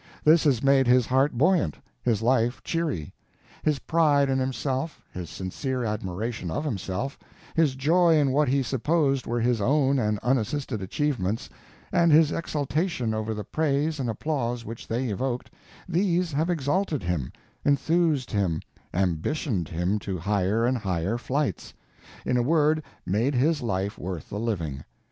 This has made his heart buoyant, his life cheery. His pride in himself, his sincere admiration of himself, his joy in what he supposed were his own and unassisted achievements, and his exultation over the praise and applause which they evoked—these have exalted him, enthused him, ambitioned him to higher and higher flights; in a word, made his life worth the living.